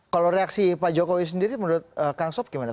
kalau reaksi pak jokowi sendiri menurut kang sob gimana